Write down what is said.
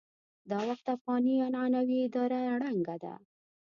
دا وخت افغاني عنعنوي اداره ړنګه ده.